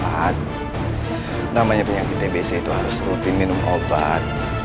pertama namanya penyakit tbc itu harus rutin minum obat